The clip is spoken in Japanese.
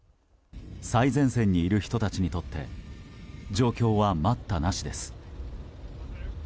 最前線にいる人たちにとって状況は待ったなしです。